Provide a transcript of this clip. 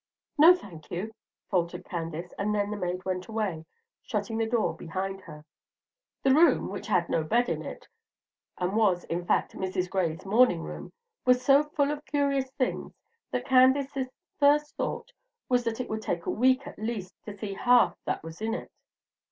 "No, thank you," faltered Candace; and then the maid went away, shutting the door behind her. The room, which had no bed in it, and was, in fact, Mrs. Gray's morning room, was so full of curious things that Candace's first thought was that it would take a week at least to see half that was in it.